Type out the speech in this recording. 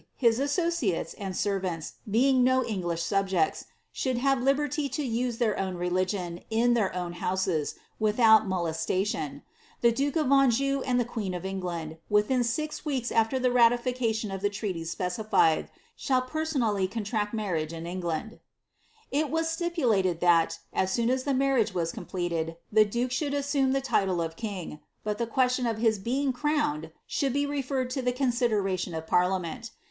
his asBociau^s, and servants, being no English subjects, should have liberty to use ibeir own religion, in their own houses, without mole.'fiation. The duke of Anjou and the queen of England, within m weeks afier tlie raiificaiion of the ariidea »peci6eii, shall penooallf con tiari marriage in EaglaoJ.'" It was stipulated that, as soon as the marriage was completed, the duke siioulJ assume the title of king, but ibe question of his being crowned should be referred to the conBideraiion of parliament.